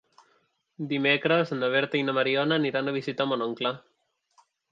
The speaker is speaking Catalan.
Dimecres na Berta i na Mariona aniran a visitar mon oncle.